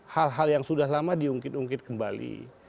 hal hal yang sudah lama diungkit ungkit kembali